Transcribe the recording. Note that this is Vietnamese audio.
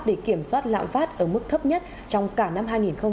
để kiểm soát lạm phát ở mức thấp nhất trong cả năm hai nghìn hai mươi